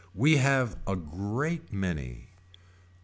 We have a great many.